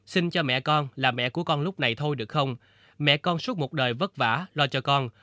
sinh cho mẹ con là mẹ của con lúc này thôi được không mẹ con suốt một đời vất vả lo cho con